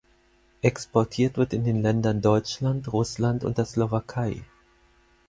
Exportiert wird in den Ländern Deutschland, Russland und der Slowakei.